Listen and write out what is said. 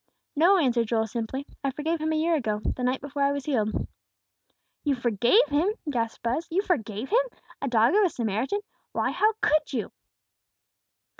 "No," answered Joel, simply; "I forgave him a year ago, the night before I was healed." "You forgave him!" gasped Buz, "you forgave him! A dog of a Samaritan! Why, how could you?"